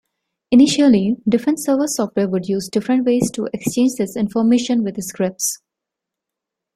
Initially, different server software would use different ways to exchange this information with scripts.